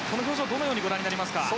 どのようにご覧になりますか？